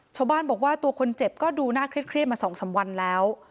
ชาวบ้านบอกว่าตัวคนเจ็บก็ดูน่าเครียดมา๒๓วันแล้ว